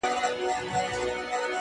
د جلا حُسن چيرمني- د جلا ښايست خاوندي-